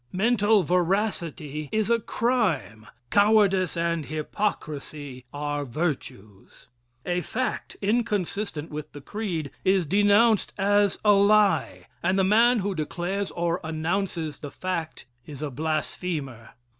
Mental veracity is a crime, cowardice and hypocrisy are virtues. A fact, inconsistent with the creed, is denounced as a lie, and the man who declares or announces the fact is a blasphemer.